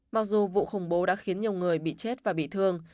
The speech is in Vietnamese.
mặc dù vụ khủng bố đã khiến nhiều người bị chết và bị thương